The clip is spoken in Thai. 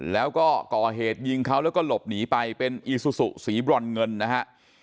แล้วก็ก่อเหตุยิงเขาแล้วก็หลบหนีไปเป็นอีซูซูสีบรอนเงินนะฮะ